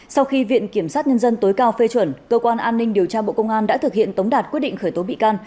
sau khi viện kiểm sát nhân dân tối cao phê chuẩn cơ quan an ninh điều tra bộ công an đã thực hiện tống đạt quyết định khởi tố bị can